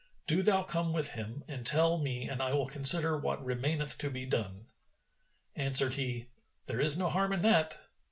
Do thou come with him and tell me and I will consider what remaineth to be done." Answered he, "There is no harm in that!"